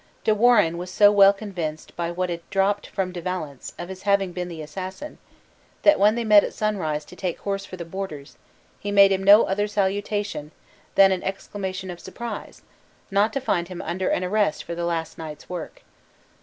De Warenne was so well convinced by what had dropped from De Valence, of his having been the assassin, that when they met at sunrise to take horse for the borders, he made him no other salutation than an exclamation of surprise, "not to find him under an arrest for the last night's work!"